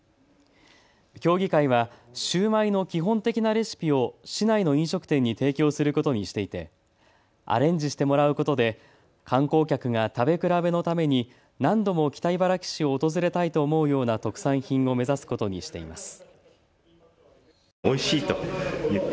協議会はシューマイの基本的なレシピを市内の飲食店に提供することにしていてアレンジしてもらうことで観光客が食べ比べのために何度も北茨城市を訪れたいと思うような特産品を目指すことにしています。